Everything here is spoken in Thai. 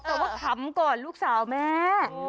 แต่ว่าขำก่อนลูกสาวแม่